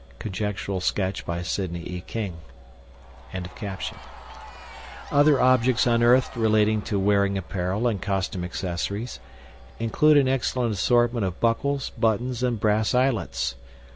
(Conjectural sketch by Sidney E. King.)] Other objects unearthed relating to wearing apparel and costume accessories, include an excellent assortment of buckles, buttons, and brass eyelets.